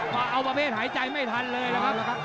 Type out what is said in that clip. มาเอาประเภทหายใจไม่ทันเลยนะครับ